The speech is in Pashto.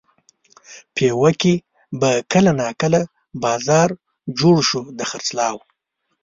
پېوه کې به کله ناکله بازار جوړ شو د خرڅلاو.